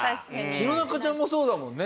弘中ちゃんもそうだもんね。